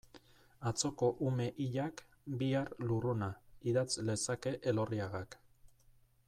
Atzoko ume hilak, bihar lurruna, idatz lezake Elorriagak.